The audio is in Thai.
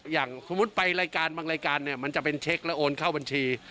อย่างสมมุติไปรายการบางรายการเนี่ยมันจะเป็นเช็คแล้วโอนเข้าบัญชี